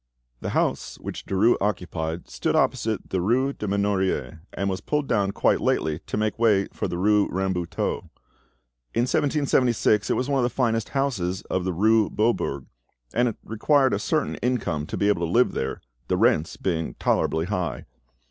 The house which Derues occupied stood opposite the rue des Menoriers, and was pulled down quite lately to make way for the rue Rambuteau. In 1776 it was one of the finest houses of the rue Beaubourg, and it required a certain income to be able to live there, the rents being tolerably high.